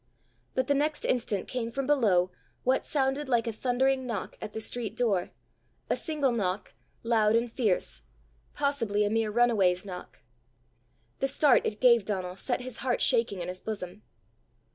But the next instant came from below what sounded like a thundering knock at the street door a single knock, loud and fierce possibly a mere runaway's knock. The start it gave Donal set his heart shaking in his bosom.